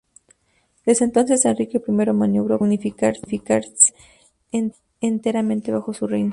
Desde entonces, Enrique I maniobró para reunificar Silesia enteramente bajo su reino.